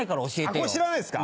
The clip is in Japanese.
これ知らないですか？